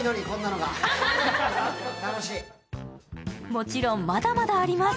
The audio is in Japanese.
もちろんまだまだあります。